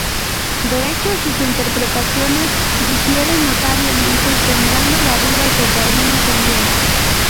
De hecho sus interpretaciones difieren notablemente, sembrando la duda sobre algunos sonidos.